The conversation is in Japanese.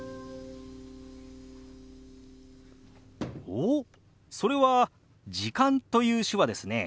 おっそれは「時間」という手話ですね。